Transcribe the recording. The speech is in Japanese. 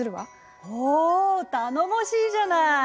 お頼もしいじゃない！